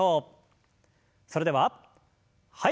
それでははい。